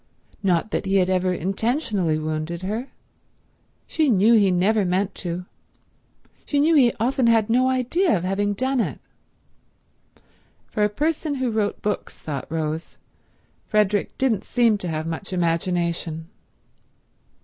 Not that he ever intentionally wounded her; she knew he never meant to, she knew he often had no idea of having done it. For a person who wrote books, thought Rose, Frederick didn't seem to have much imagination.